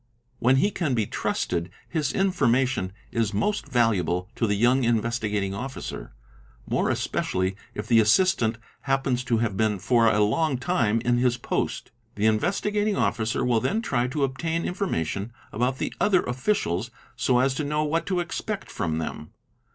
When he can be trusted, his information is most valuable to the young Investigating Officer, more especially if the ~ assistant happens to have been for a long time in his post. The Investi h gating Officer will then try to obtain information about the other officials so as to know what to expect from them.